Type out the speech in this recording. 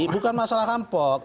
tetapi bukan masalah rampok